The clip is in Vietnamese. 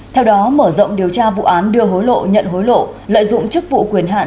theo đó mở rộng điều tra vụ án đưa hối lộ nhận hối lộ lợi dụng chức vụ quyền hạn